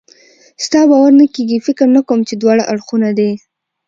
ستا باور نه کېږي؟ فکر نه کوم چې دواړه اړخونه دې.